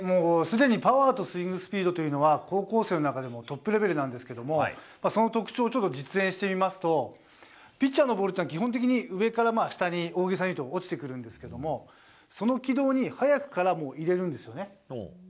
すでにパワーとスイングスピードというのは高校生の中でもトップレベルですがその特徴を実演するとピッチャーのボールは基本的に上から下に、大げさに言うと落ちてくるんですがその軌道に早くから入れるんですね。